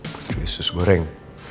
paket yang sudah disus goreng